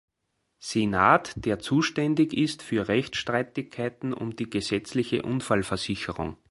Senat, der zuständig ist für Rechtsstreitigkeiten um die gesetzliche Unfallversicherung.